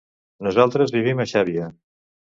Nosaltres vivim a Xàbia.